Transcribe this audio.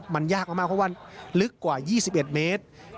มันยากมากเพราะว่าลึกกว่า๒๑เมตร